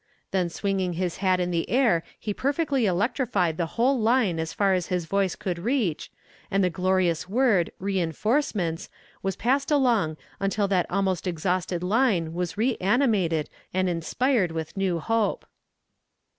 then swinging his hat in the air he perfectly electrified the whole line as far as his voice could reach, and the glorious word "reinforcements" was passed along until that almost exhausted line was reanimated and inspired with new hope.